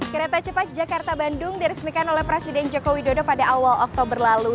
kereta cepat jakarta bandung diresmikan oleh presiden joko widodo pada awal oktober lalu